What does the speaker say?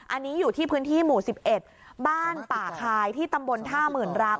อันนี้อยู่ที่พื้นที่หมู่๑๑บ้านป่าคายที่ตำบลท่าหมื่นรำ